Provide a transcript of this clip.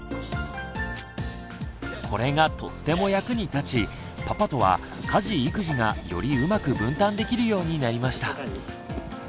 これがとっても役に立ちパパとは家事育児がよりうまく分担できるようになりました。